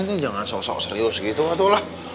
ini teh jangan sok sok serius gitu atuh lah